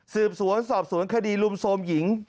สืบสวนสอบสวนคดีลุมโทรมหญิง